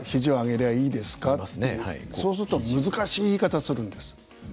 そうすると難しい言い方するんです。